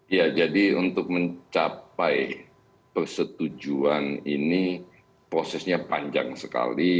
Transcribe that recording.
ya jadi untuk mencapai persetujuan ini prosesnya panjang sekali